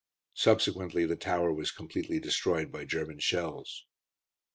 Subsequently the tower was completely destroyed by German shells.